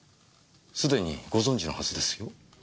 すでにご存じのはずですよ。